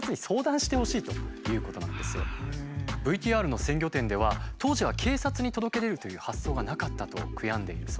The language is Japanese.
ＶＴＲの鮮魚店では当時は警察に届け出るという発想がなかったと悔やんでいるそうです。